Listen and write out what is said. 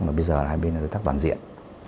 mà bây giờ hai bên là đối tác toàn diện